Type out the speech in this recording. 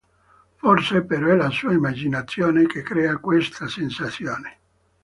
Forse però è la sua immaginazione che crea questa sensazione.